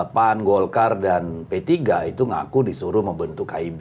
pan golkar dan p tiga itu ngaku disuruh membentuk kib